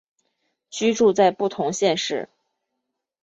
居住在不同县市